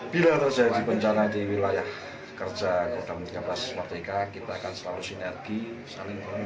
bila terjadi bencana di wilayah kerja kota muntiapas amerika kita akan selalu sinergi saling berbunyi